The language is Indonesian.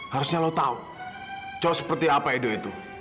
harusnya lo tahu cowok seperti apa edo itu